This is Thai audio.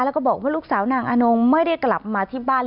แล้วก็บอกว่าลูกสาวนางอนงไม่ได้กลับมาที่บ้าน